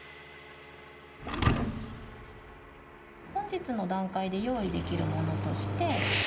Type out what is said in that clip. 本日の段階で用意できるものとして。